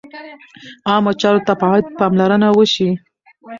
عامه چارو ته باید پاملرنه وشي.